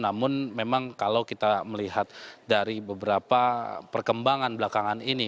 namun memang kalau kita melihat dari beberapa perkembangan belakangan ini